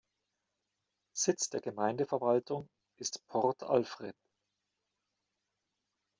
Sitz der Gemeindeverwaltung ist Port Alfred.